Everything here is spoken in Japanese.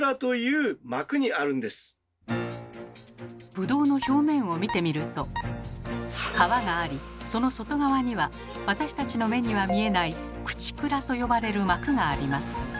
ブドウの表面を見てみると皮がありその外側には私たちの目には見えない「クチクラ」と呼ばれる膜があります。